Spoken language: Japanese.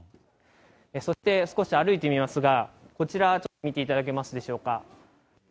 そして少し歩いてみますが、こちら、ちょっと見ていただけますでしょうか。